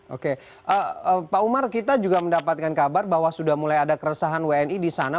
oke pak umar kita juga mendapatkan kabar bahwa sudah mulai ada keresahan wni di sana